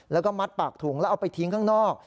แล้วก็มัดปากถุงแล้วเอาไปทิ้งข้างนอก